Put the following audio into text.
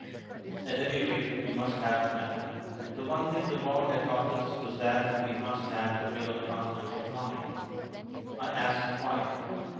At any rate, we must have the men. The one thing the war had taught us was that we must have a real Continental army. I asked why.